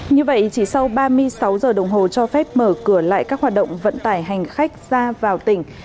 như vậy chỉ sau ba mươi sáu giờ đồng hồ cho phép mở cửa lại các hoạt động vận tải hành khách ra vào tỉnh